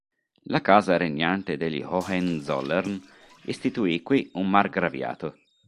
La casa regnante degli Hohenzollern istituì qui un Margraviato.